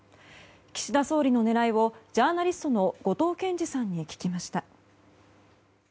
岸田総理の狙いをジャーナリストの後藤謙次さんに聞きました。